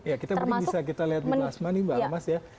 ya kita mungkin bisa kita lihat di plasma nih mbak almas ya